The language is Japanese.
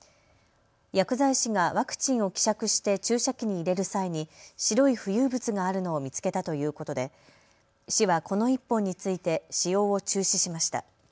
薬剤師がワクチンを希釈して注射器に入れる際に白い浮遊物があるのを見つけたということで市はこの１本について使用を中止しました。